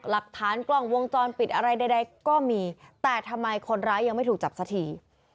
หลักฐานกล้องวงจรปิดอะไรใดก็มีแต่ทำไมคนร้ายยังไม่ถูกจับสักที